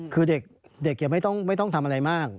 คือเด็กไม่ต้องทำอะไรมาก